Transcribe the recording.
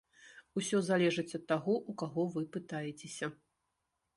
Усё залежыць ад таго, у каго вы пытаецеся.